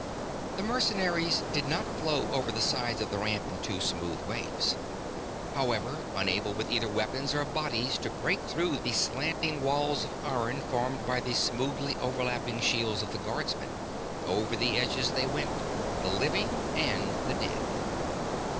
The mercenaries did not flow over the sides of the ramp in two smooth waves. However, unable with either weapons or bodies to break through the slanting walls of iron formed by the smoothly overlapping shields of the Guardsmen, over the edges they went, the living and the dead.